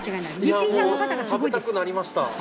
いやもう食べたくなりました。